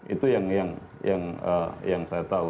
itu yang saya tahu